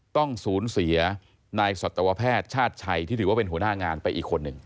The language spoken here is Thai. ต้องสูญเสียนายสัตวแพทย์ชาติชัยที่ถือว่าเป็นหัวหน้างานไปอีกคนหนึ่ง